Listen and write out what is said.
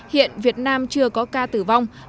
hiện việt nam chưa có ca tử vong